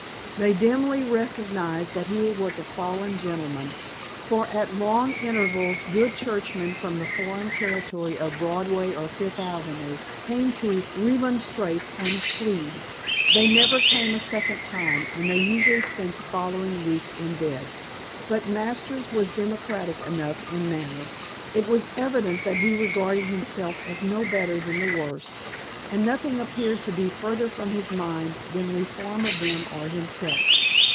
They dimly recognized that he was a fallen gentleman, for at long intervals good churchmen from the foreign territory of Broadway or Fifth Avenue came to remonstrate and plead. They never came a second time and they usually spent the following week in bed. But Masters was democratic enough in manner; it was evident that he regarded himself as no better than the worst, and nothing appeared to be further from his mind than reform of them or himself.